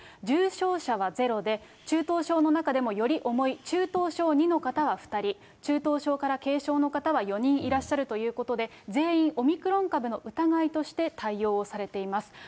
重症者は０で、中等症の中でもより重い中等症２の方は２人、中等症から軽症の方は４人いらっしゃるということで、全員オミクロン株の疑いとして対応をされています。